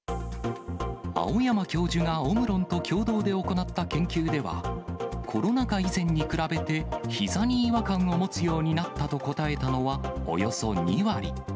青山教授がオムロンと共同で行った研究では、コロナ禍以前に比べてひざに違和感を持つようになったと答えたのはおよそ２割。